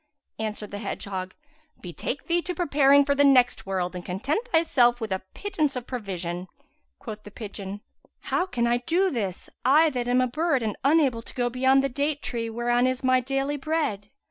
Answered the hedgehog, "Betake thee to preparing for the next world and content thyself with a pittance of provision." Quoth the pigeon, "How can I do this, I that am a bird and unable to go beyond the date tree whereon is my daily bread?